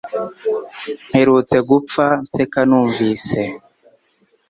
Mperutse gupfa nseka numvise